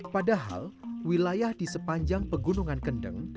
padahal wilayah di sepanjang pegunungan kendeng